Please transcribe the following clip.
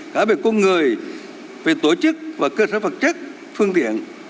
cả về con người về tổ chức và cơ sở vật chất phương tiện